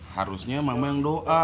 harusnya mama yang doa